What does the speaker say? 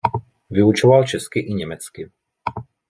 Vyučoval česky i německy.